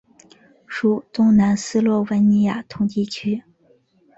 属东南斯洛文尼亚统计区。